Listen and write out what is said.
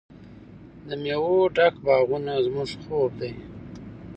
د میوو ډک باغونه زموږ خوب دی.